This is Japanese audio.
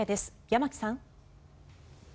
山木さん。